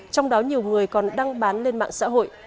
trong đó nhiều người còn đăng bán lên mạng xã hội